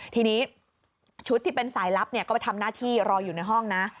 ทีนี้ชุดที่เป็นสายลับก็ไปทำหน้าที่รออยู่ในห้องนะ